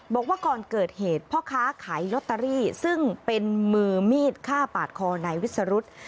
บอกว่าก่อนเกิดเหตุพ่อค้าขายลอตเตอรี่ซึ่งเป็นมือมีดฆ่าปาดคอนายวิสรุธ